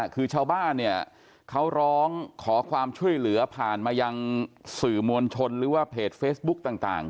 คือชาวบ้านเนี่ยเขาร้องขอความช่วยเหลือผ่านมายังสื่อมวลชนหรือว่าเพจเฟซบุ๊กต่าง